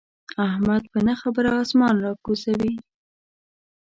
احمد په نه خبره اسمان را کوزوي.